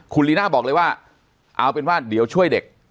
คุณลีน่าบอกเลยว่าเอาเป็นว่าเดี๋ยวช่วยเด็ก